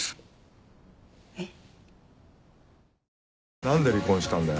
えっ？